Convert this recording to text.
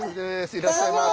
いらっしゃいませ。